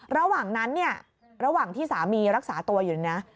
ระหว่างนั้นเนี่ยระหว่างที่สามีรักษาตัวอยู่เนี่ยนะ